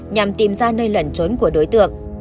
nhằm tìm ra nơi lẩn trốn của đối tượng